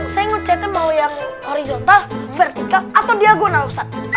saya nge chat in mau yang horizontal vertical atau diagonal ustadz